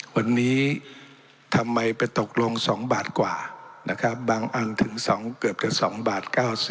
วันนี้ทำไมไปตกลง๒บาทกว่านะครับบางอันถึงเกือบจะ๒บาท๙๐